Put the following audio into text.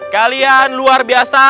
kalian luar biasa